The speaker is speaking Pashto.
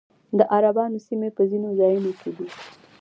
د عربانو سیمې په ځینو ځایونو کې دي